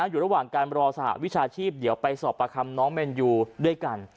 อยู่ระหว่างการรอสหวิชาชีพเดี๋ยวไปสอบประคำน้องแมนยูด้วยกัน